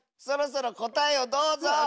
そろそろこたえをどうぞ！